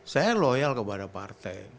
saya loyal kepada partai